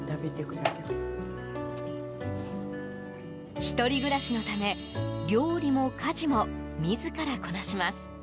１人暮らしのため料理も家事も自らこなします。